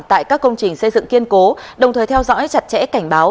tại các công trình xây dựng kiên cố đồng thời theo dõi chặt chẽ cảnh báo